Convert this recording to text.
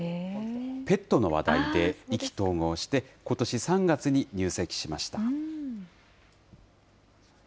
ペットの話題で意気投合してことし３月に入籍しました。